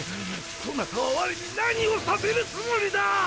そなたは我に何をさせるつもりだ？